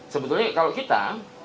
sebetulnya kalau kita